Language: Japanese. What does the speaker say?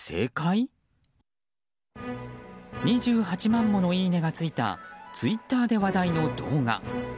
２８万もの、いいねがついたツイッターで話題の動画。